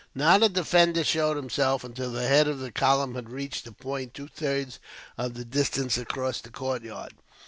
Not a defender showed himself, until the head of the column had reached a point two thirds of the distance across the courtyard.